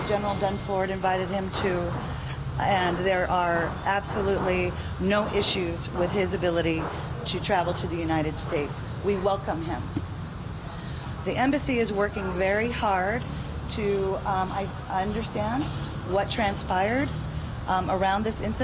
pemerintah sedang bekerja dengan sangat keras untuk memahami apa yang terjadi di sepanjang insiden ini